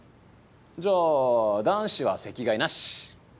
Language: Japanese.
じゃあ男子は席替えなし！